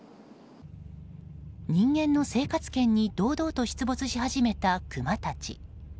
人間の生活圏に堂々と出没し始めたクマたち。